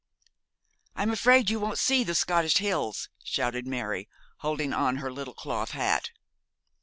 'I'm afraid you won't see the Scottish hills,' shouted Mary, holding on her little cloth hat.